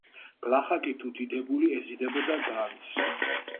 გლახაკი თუ დიდებული ეზიდებოდა განძს,